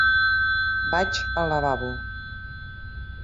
"Vaig al lavabo".